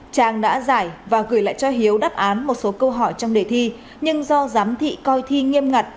trang đã giải và gửi lại cho hiếu đáp án một số câu hỏi trong đề thi nhưng do giám thị coi thi nghiêm ngặt